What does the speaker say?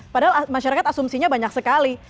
padahal masyarakat asumsinya banyak sekali